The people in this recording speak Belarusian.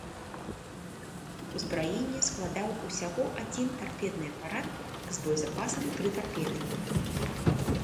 Узбраенне складаў усяго адзін тарпедны апарат з боезапасам тры тарпеды.